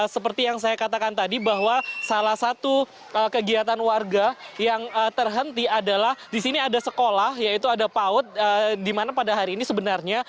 seperti yang saya katakan tadi bahwa salah satu kegiatan warga yang terhenti adalah di sini ada sekolah yaitu ada paut di mana pada hari ini sebenarnya